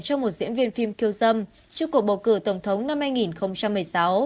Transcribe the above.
cho một diễn viên phim khiêu dâm trước cuộc bầu cử tổng thống năm hai nghìn một mươi sáu